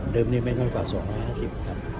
เดิมนี้ไม่น้อยกว่า๒๕๐ครับ